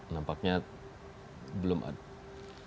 nampaknya belum ada